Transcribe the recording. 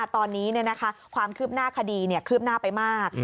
ตอนนี้ความคืบหน้าคดีคืบหน้าไปมาก